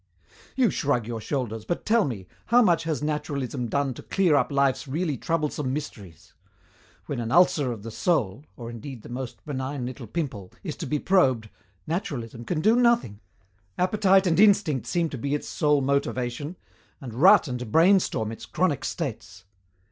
"You shrug your shoulders, but tell me, how much has naturalism done to clear up life's really troublesome mysteries? When an ulcer of the soul or indeed the most benign little pimple is to be probed, naturalism can do nothing. 'Appetite and instinct' seem to be its sole motivation and rut and brainstorm its chronic states.